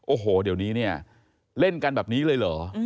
โอ้โหเดี๋ยวนี้เนี่ยเล่นกันแบบนี้เลยเหรอ